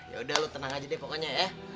ya udah lo tenang aja deh pokoknya ya